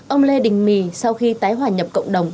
ông lê đình mì sau khi tái hòa nhập cộng đồng